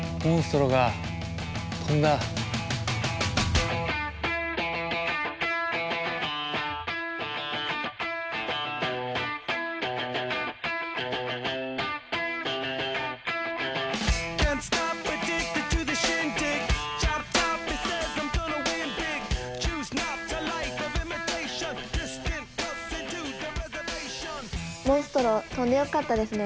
モンストロ飛んでよかったですね。